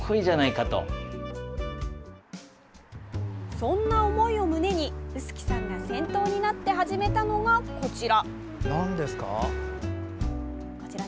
そんな思いを胸に臼杵さんが先頭になって始めたのが、こちら。